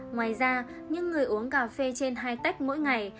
ngoài ra những người uống cà phê trên hai tách mỗi ngày